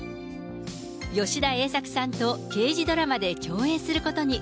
吉田栄作さんと刑事ドラマで共演することに。